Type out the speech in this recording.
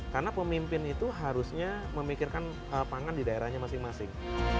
karena pemimpin itu harusnya memikirkan pangan di daerahnya masing masing